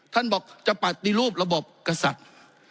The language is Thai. ท่านบอกจะปฏิรูประบบกษัตริย์